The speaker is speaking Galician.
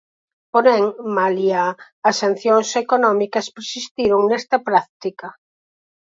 Porén, malia as sancións económicas persistiron nesta práctica.